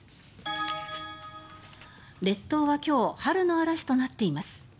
列島は今日春の嵐となっています。